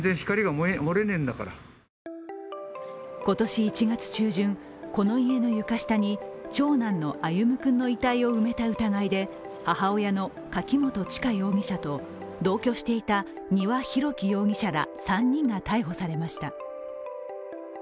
今年１月中旬、この家の床下に長男の歩夢君の遺体を埋めた疑いで母親の柿本知香容疑者と同居していた丹羽洋樹容疑者ら３人が逮捕されました。